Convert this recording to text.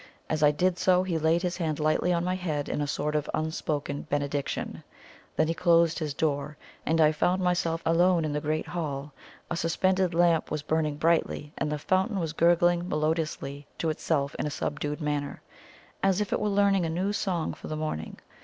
As I did so, he laid his hand lightly on my head in a sort of unspoken benediction then he closed his door, and I found myself alone in the great hall. A suspended lamp was burning brightly, and the fountain was gurgling melodiously to itself in a subdued manner, as if it were learning a new song for the morning.